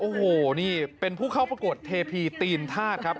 โอ้โหนี่เป็นผู้เข้าประกวดเทพีตีนธาตุครับ